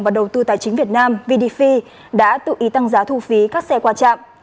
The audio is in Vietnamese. và đầu tư tài chính việt nam vdf đã tự ý tăng giá thu phí các xe qua trạm